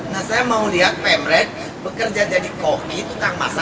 nah saya mau lihat pemret bekerja jadi kopi tukang masak